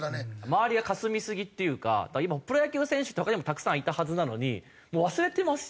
周りがかすみすぎっていうか今プロ野球選手って他にもたくさんいたはずなのにもう忘れてますし。